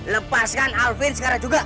lepaskan alvin sekarang juga